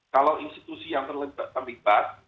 kalau institusi yang terlibat